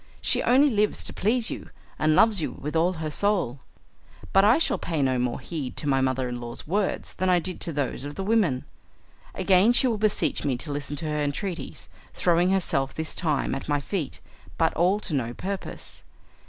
She only lives to please you, and loves you with all her soul." But I shall pay no more heed to my mother in law's words than I did to those of the women. Again she will beseech me to listen to her entreaties, throwing herself this time at my feet, but all to no purpose.